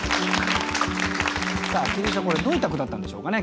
麒麟さんこれどういった句だったんでしょうかね。